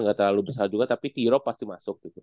nggak terlalu besar juga tapi tirok pasti masuk